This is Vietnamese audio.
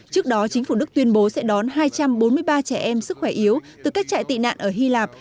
trước đó chính phủ đức tuyên bố sẽ đón hai trăm bốn mươi ba trẻ em sức khỏe yếu từ các trại tị nạn ở hy lạp